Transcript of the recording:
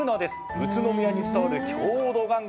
宇都宮に伝わる郷土玩具。